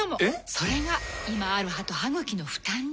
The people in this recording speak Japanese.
それが今ある歯と歯ぐきの負担に。